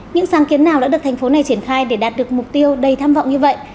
những sáng kiến nào đã được thành phố này triển khai để đạt được mục tiêu đầy tham vọng như vậy